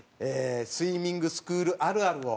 スイミングスクールあるあるを。